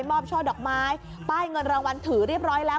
ช่อดอกไม้ป้ายเงินรางวัลถือเรียบร้อยแล้ว